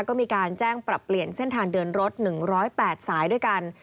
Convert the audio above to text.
ก็มีการแจ้งปรับเปลี่ยนเส้นทางเดินรถ๑๐๘สายด้วยกัน